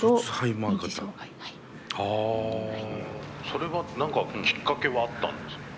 それは何かきっかけはあったんですか？